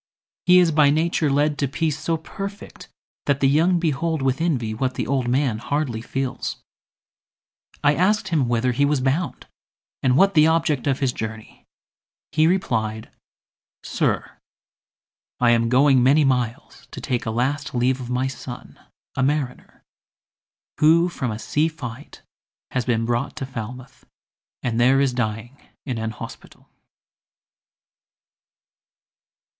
He is by nature led To peace so perfect, that the young behold With envy, what the old man hardly feels. —I asked him whither he was bound, and what The object of his journey; he replied "Sir! I am going many miles to take A last leave of my son, a mariner, Who from a sea fight has been brought to Falmouth, And there is dying in an hospital."